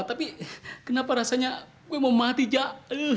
tapi kenapa rasanya gue mau mati jak